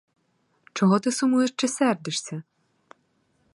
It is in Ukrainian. Чого ти сумуєш чи сердишся?